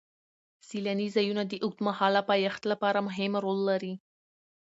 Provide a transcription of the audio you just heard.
سیلاني ځایونه د اوږدمهاله پایښت لپاره مهم رول لري.